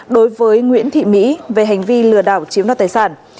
đối với nguyễn thị mỹ về hành vi lừa đảo chiếm đoạt tài sản